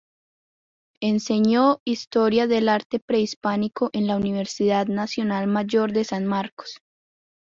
Enseñó Historia del Arte Prehispánico en la Universidad Nacional Mayor de San Marcos.